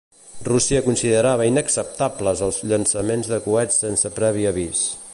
Rússia considerava inacceptables els llançaments de coets sense previ avís.